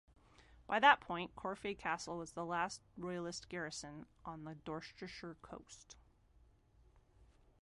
By that point, Corfe Castle was the last Royalist garrison on the Dorsetshire coast.